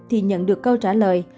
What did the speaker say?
thì nhận được câu trả lời